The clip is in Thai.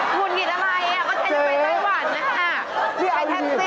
ทุนกินอะไรก็แค่จะไปไต้หวันนะค่ะ